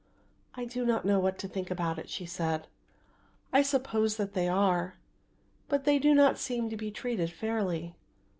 "I do not know what to think about it," she said. "I suppose that they are, but they do not seem to be treated fairly."